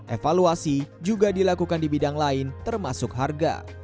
evaluasi juga dilakukan di bidang lain termasuk harga